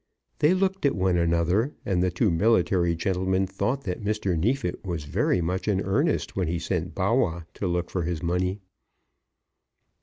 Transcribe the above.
They looked at one another, and the two military gentlemen thought that Mr. Neefit was very much in earnest when he sent Bawwah to look for his money.